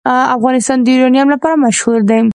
افغانستان د یورانیم لپاره مشهور دی.